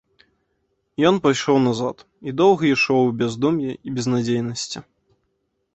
Ён пайшоў назад, і доўга ішоў у бяздум'і і безнадзейнасці.